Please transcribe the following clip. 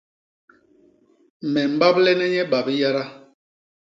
Me mbablene nye babi yada.